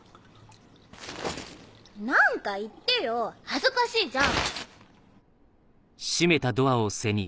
何か言ってよ恥ずかしいじゃん！